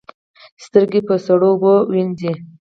سترګې په سړو اوبو وینځئ